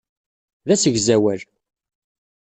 D asegzawal.